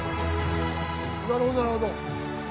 なるほどなるほど。